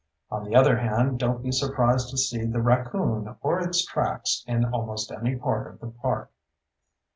On the other hand, don't be surprised to see the raccoon or its tracks in almost any part of the park.